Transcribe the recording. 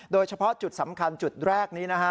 โดยเฉพาะจุดสำคัญจุดแรกนี้นะฮะ